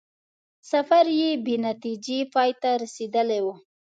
سفر یې بې نتیجې پای ته رسېدلی وو.